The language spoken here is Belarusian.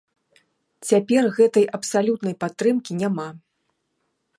Цяпер гэтай абсалютнай падтрымкі няма.